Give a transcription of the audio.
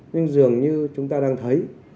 nhưng dường như chúng ta đang thấy